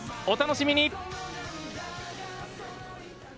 お楽しみに。